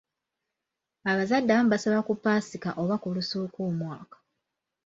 Abazadde abamu basaba ku Ppaasika oba ku lusooka omwaka.